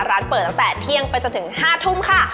ร้านเปิดตั้งแต่เที่ยงไปจนถึง๕ทุ่มค่ะ